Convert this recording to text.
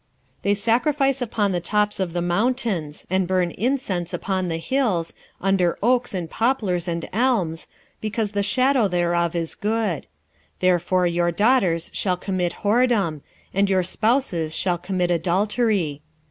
4:13 They sacrifice upon the tops of the mountains, and burn incense upon the hills, under oaks and poplars and elms, because the shadow thereof is good: therefore your daughters shall commit whoredom, and your spouses shall commit adultery.